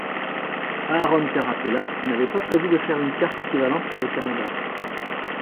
Aaron Carapella n'avait pas prévu de faire une carte équivalente pour le Canada.